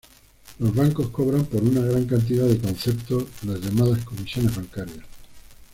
Los bancos cobran por una gran cantidad de conceptos las llamadas comisiones bancarias.